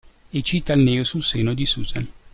E cita il neo sul seno di Susan.